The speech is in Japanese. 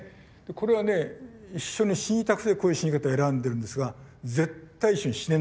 これはね一緒に死にたくてこういう死に方を選んでるんですが絶対一緒に死ねない。